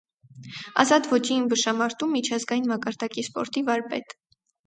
Ազատ ոճի ըմբշամարտում միջազգային մակարդակի սպորտի վարպետ։